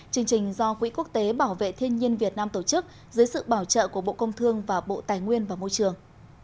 chương trình do quỹ quốc tế bảo vệ thiên nhiên việt nam tổ chức dưới sự bảo trợ của bộ công thương và bộ tài nguyên và môi trường